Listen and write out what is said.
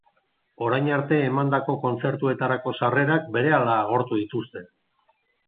Orain arte emandako kontzertuetarako sarrerak berehala agortu dituzte.